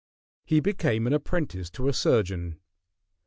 He became an apprentice to a surgeon.